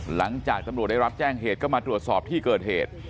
หลังจากตำรวจได้รับแจ้งเหตุก็มาตรวจสอบที่เกิดเหตุ